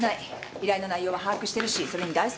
依頼の内容は把握してるしそれに大介も付けてる。